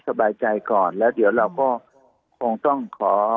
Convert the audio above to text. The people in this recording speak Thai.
สบายใจก่อนแล้วเดี๋ยวเราก็คงต้องขอ